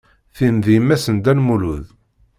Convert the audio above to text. Tin d yemma-s n Dda Lmulud.